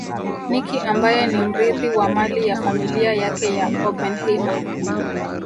Nicky ambaye ni mrithi wa mali ya familia yake ya Oppenheimer